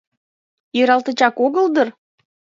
Иралтычак огыл дыр?